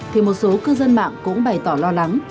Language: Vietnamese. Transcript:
thì một số cư dân mạng cũng bày tỏ lo lắng